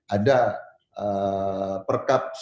ada perkap satu dua ribu sembilan